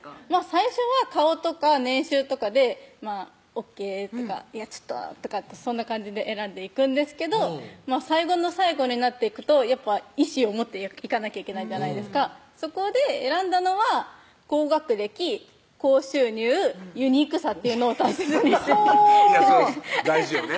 最初は顔とか年収とかでＯＫとかちょっとなとかってそんな感じで選んでいくんですけど最後の最後になっていくとやっぱ意志を持っていかなきゃいけないじゃないですかそこで選んだのは高学歴・高収入・ユニークさっていうのを足し算にして大事よね